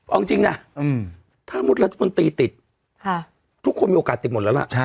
เอาจริงนะถ้ามุติรัฐมนตรีติดทุกคนมีโอกาสติดหมดแล้วล่ะ